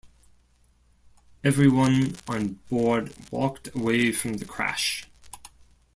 Everyone on board walked away from the crash.